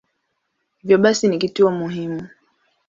Hivyo basi ni kituo muhimu.